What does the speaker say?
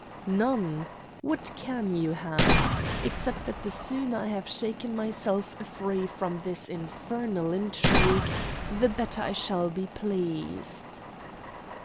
"None. What can you have except that the sooner I have shaken myself free from this infernal intrigue the better I shall be pleased."